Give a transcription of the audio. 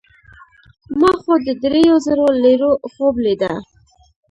ما خو د دریو زرو لیرو خوب لیده.